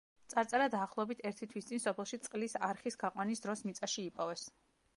წარწერა დაახლოებით ერთი თვის წინ, სოფელში წყლის არხის გაყვანის დროს მიწაში იპოვეს.